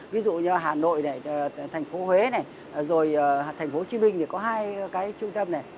ví dụ như hà nội thành phố huế thành phố hồ chí minh thì có hai cái trung tâm này